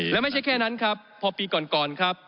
และไม่ใช่แค่นั้นครับพอปีก่อนครับ